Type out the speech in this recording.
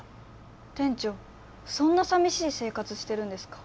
店長そんなさみしい生活してるんですか？